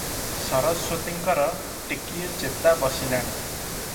ସରସ୍ୱତୀଙ୍କର ଟିକିଏ ଚେତା ବସିଲାଣି ।